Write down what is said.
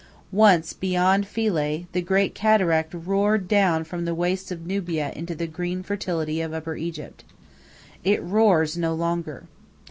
Once, beyond Philae, the great Cataract roared down from the wastes of Nubia into the green fertility of Upper Egypt. It roars no longer.